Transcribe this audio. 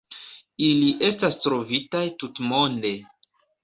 Ili estas trovitaj tutmonde.